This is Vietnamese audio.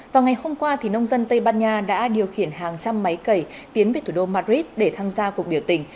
vào ngày hôm qua nông dân tây ban nha đã điều khiển hàng trăm máy cẩy tiến về thủ đô madrid để tham gia cuộc biểu tình